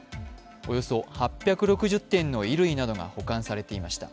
およそ８６０点の衣類などが保管されていました。